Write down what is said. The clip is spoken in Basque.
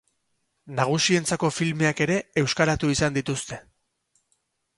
Nagusientzako filmeak ere euskaratu izan dituzte.